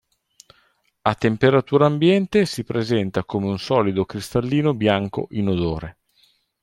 A temperatura ambiente si presenta come un solido cristallino bianco inodore.